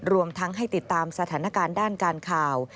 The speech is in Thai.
รวมทั้งให้ติดตามสถานการณ์ด้านการข่าว